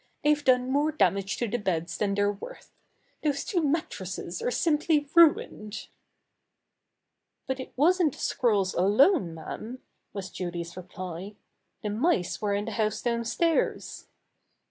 They've done more damage to the beds than they're worth. Those two mattresses are simply ruined." "But it wasn't the squirrels alone, ma'am," was Julie's reply. "The mice were in the house downstairs."